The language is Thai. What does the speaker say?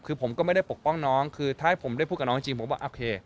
คือผมก็ไม่ได้ปกป้องน้องคือถ้าให้ผมได้พูดกับน้องจริงผมบอกโอเค